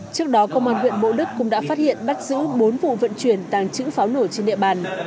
trước đó công an huyện bộ đức cũng đã phát hiện bắt giữ bốn vụ vận chuyển tàng trữ pháo nổ trên địa bàn